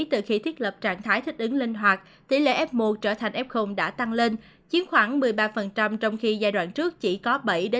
từ khi thiết lập trạng thái thích ứng linh hoạt tỷ lệ f một trở thành f đã tăng lên chiếm khoảng một mươi ba trong khi giai đoạn trước chỉ có bảy năm